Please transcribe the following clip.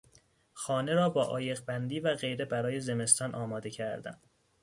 خانه را با عایقبندی و غیره برای زمستان آماده کردن